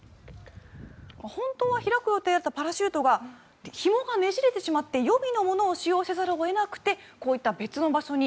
本当は開く予定だったパラシュートがひもがねじれてしまって予備のものを使用せざるを得なくてこういった別の場所に